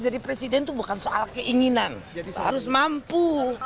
jadi wakil presiden itu bukan soal keinginan harus mampu